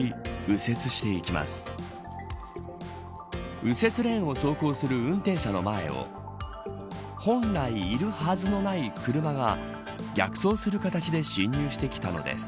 右折レーンを走行する運転者の前を本来いるはずのない車が逆走する形で侵入してきたのです。